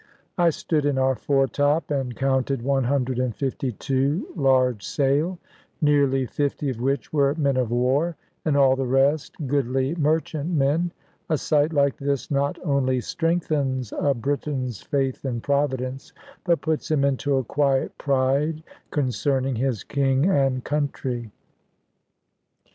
I stood in our foretop and counted 152 large sail, nearly 50 of which were men of war, and all the rest goodly merchantmen. A sight like this not only strengthens a Briton's faith in Providence, but puts him into a quiet pride concerning his King and country.